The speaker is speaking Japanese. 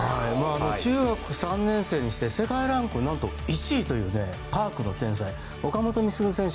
中学３年生にして世界ランク１位というパークの天才、岡本碧優選手。